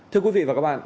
thưa quý vị và các bạn